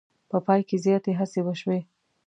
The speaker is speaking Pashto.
په پای کې زیاتې هڅې وشوې.